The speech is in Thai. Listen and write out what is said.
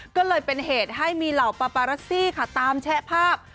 ก็เลยเป็นเหตุให้มีเหล่าปารัสซี่ค่ะตามแชะภาพ